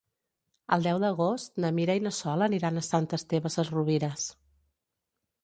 El deu d'agost na Mira i na Sol aniran a Sant Esteve Sesrovires.